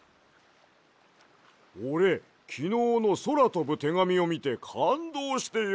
おれきのうのそらとぶてがみをみてかんどうしてよ